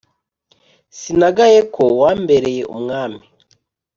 sinagaye ko wambereye umwami